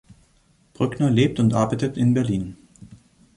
Brückner lebt und arbeitet in Berlin.